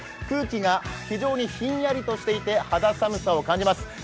空気が非常にひんやりとしていて、肌寒さを感じます。